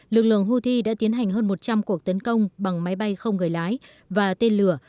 lực lượng houthi đã tiến hành hơn một trăm linh cuộc tấn công bằng máy bay không người lái và tên lửa